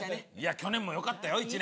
去年もよかったよ１年。